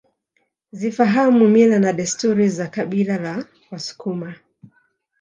Zifahamu mila na desturi za kabila la wasukuma